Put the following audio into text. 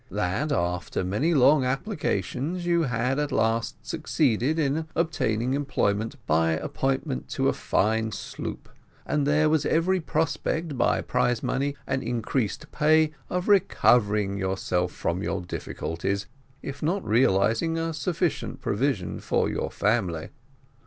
That, after many long applications, you had at last succeeded in obtaining employment by an appointment to a fine sloop, and there was every prospect, by prize money and increased pay, of recovering yourself from your difficulties, if not realising a sufficient provision for your family.